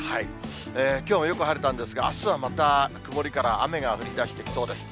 きょうもよく晴れたんですが、あすはまた、曇りから雨が降りだしてきそうです。